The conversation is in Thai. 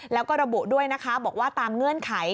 แล้วก็ระบุด้วยนะคะบอกว่าตามเงื่อนไข